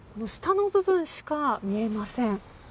下の部分しか見えません。